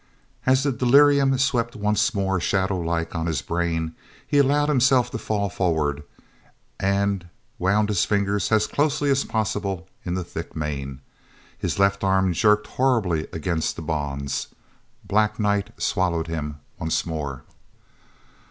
As the delirium swept once more shadow like on his brain, he allowed himself to fall forward, and wound his fingers as closely as possible in the thick mane. His left arm jerked horribly against the bonds. Black night swallowed him once more.